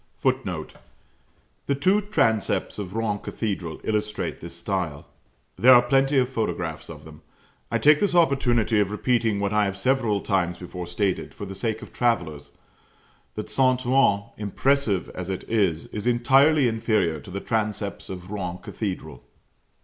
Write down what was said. [Footnote: The two transepts of Rouen Cathedral illustrate this style. There are plenty of photographs of them. I take this opportunity of repeating what I have several times before stated, for the sake of travellers, that St. Ouen, impressive as it is, is entirely inferior to the transepts of Rouen Cathedral.